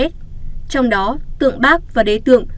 trong đó tượng bác và đế tượng